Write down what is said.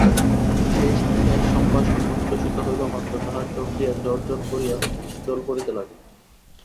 সেই স্নেহের সম্ভাষণ উচ্ছ্বসিত হইবামাত্র তাহার চোখ দিয়া ঝর ঝর করিয়া জল পড়িতে লাগিল।